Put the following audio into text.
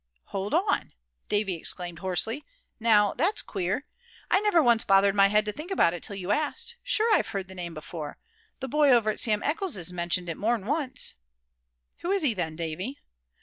"Hold on!" Davy exclaimed, hoarsely; "now, that's queer; I never once bothered my head to think about it till you asked. Sure I've heard the name before. The boy over at Sim Eckles' mentioned it more'n once." "Who is he, then, Davy?"